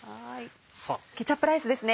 ケチャップライスですね